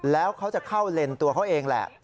แล้วเขาจะเข้าเลนตัวเขาเองแหละ